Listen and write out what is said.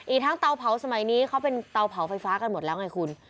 อีกทั้งเตาเผาสมัยนี้เขาเป็นเตาเผาไฟฟ้ากันหมดแล้วไงคุณ